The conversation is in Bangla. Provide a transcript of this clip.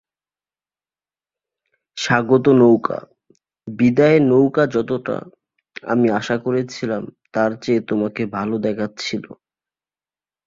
স্বাগত নৌকা, বিদায় নৌকাযতটা আমি আশা করেছিলাম, তার চেয়ে তোমাকে ভালো দেখাচ্ছিল।